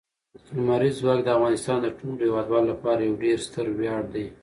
لمریز ځواک د افغانستان د ټولو هیوادوالو لپاره یو ډېر ستر ویاړ دی.